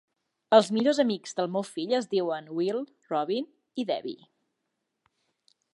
Els millors amics del meu fill es diuen Will, Robin i Debbie.